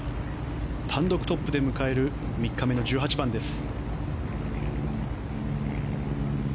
単独トップで迎える３日目の１８番です。